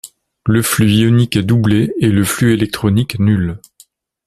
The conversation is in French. Le flux ionique est doublé et le flux électronique nul.